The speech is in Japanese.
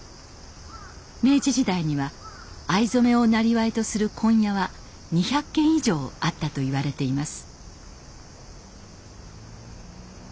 明治時代には藍染めをなりわいとする「紺屋」は２００軒以上あったといわれています。